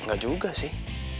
gak juga sih